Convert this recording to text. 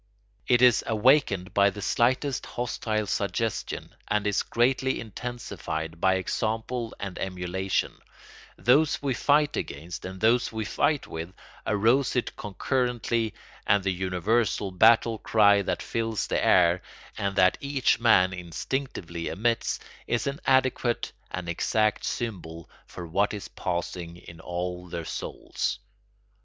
It is awakened by the slightest hostile suggestion and is greatly intensified by example and emulation; those we fight against and those we fight with arouse it concurrently and the universal battle cry that fills the air, and that each man instinctively emits, is an adequate and exact symbol for what is passing in all their souls.